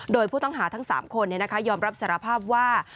โดยผู้ต้องหาทั้ง๓คนยอมรับสารภาพว่า